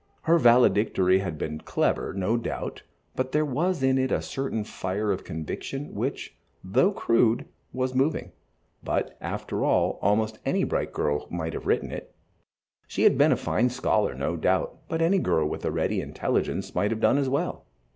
Her valedictory had been clever, no doubt, and there was in it a certain fire of conviction, which, though crude, was moving; but, after all, almost any bright girl might have written it. She had been a fine scholar, no doubt, but any girl with a ready intelligence might have done as well.